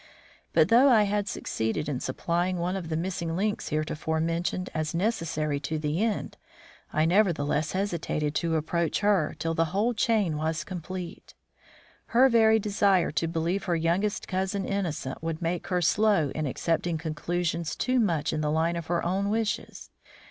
But though I had succeeded in supplying one of the missing links heretofore mentioned as necessary to that end, I nevertheless hesitated to approach her till the whole chain was complete. Her very desire to believe her youngest cousin innocent would make her slow in accepting conclusions too much in the line of her own wishes.